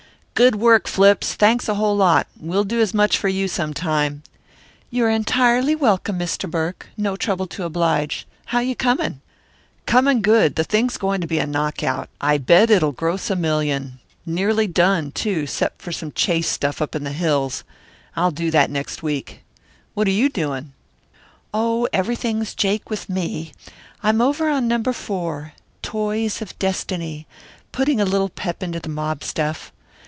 "Good work, Flips. Thanks a whole lot. We'll do as much for you some time." "You're entirely welcome, Mr. Burke. No trouble to oblige. How you coming?" "Coming good. This thing's going to be a knockout. I bet it'll gross a million. Nearly done, too, except for some chase stuff up in the hills. I'll do that next week. What you doing?" "Oh, everything's jake with me. I'm over on Number Four Toys of Destiny putting a little pep into the mob stuff.